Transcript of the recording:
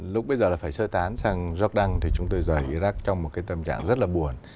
lúc bây giờ là phải sơ tán sang jordan thì chúng tôi rời iraq trong một cái tâm trạng rất là buồn